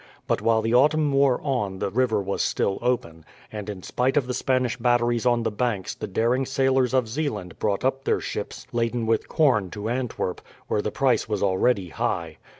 But while the autumn wore on the river was still open; and in spite of the Spanish batteries on the banks the daring sailors of Zeeland brought up their ships laden with corn to Antwerp, where the price was already high.